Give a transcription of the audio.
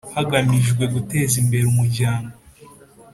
Hagamijwe guteza imbere umuryango